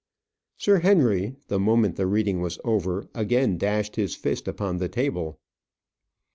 Sir Henry, the moment the reading was over, again dashed his fist upon the table.